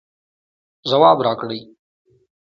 ځواب راکړئ